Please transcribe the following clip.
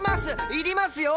いりますよ！